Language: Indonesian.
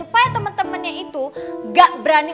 karena temennya itu gak berani